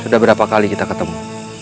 sudah berapa kali kita ketemu